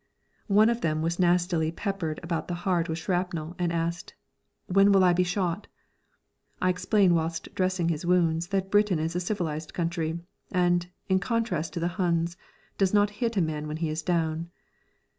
One of them was nastily peppered about the heart with shrapnel and asked: "When shall we be shot?" I explained whilst dressing his wounds that Britain is a civilised country, and, in contrast to the Huns, does not hit a man when he is down.